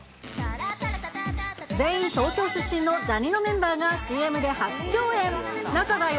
全員東京出身のジャにのメンバーがＣＭで初共演。